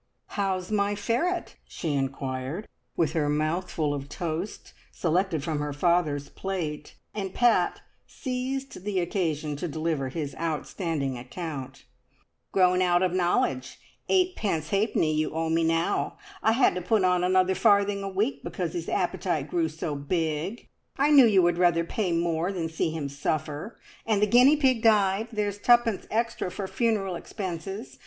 "How's my ferret?" she inquired, with her mouth full of toast, selected from her father's plate; and Pat seized the occasion to deliver his outstanding account. "Grown out of knowledge! Eightpence halfpenny you owe me now. I had to put on another farthing a week because his appetite grew so big. I knew you would rather pay more than see him suffer. And the guinea pig died. There's twopence extra for funeral expenses.